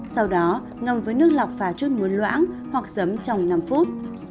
sau đó ngâm với nước lọc và chút muối loãng hoặc giấm trong năm phút